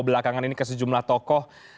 belakangan ini ke sejumlah tokoh